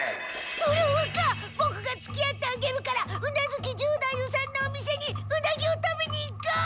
虎若ボクがつきあってあげるから宇奈月十太夫さんのお店にウナギを食べに行こう！